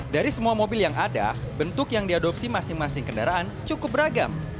dari semua mobil yang ada bentuk yang diadopsi masing masing kendaraan cukup beragam